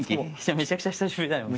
めちゃくちゃ久しぶりだよね。